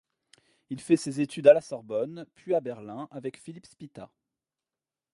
Il fait ses études à la Sorbonne, puis à Berlin avec Philipp Spitta.